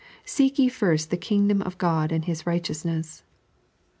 "Seek ye first the kingdom of Ood and His righteousness."